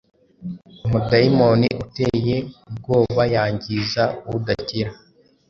Umudayimoni uteye ubwobayangiza udakira